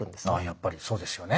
やっぱりそうですよね。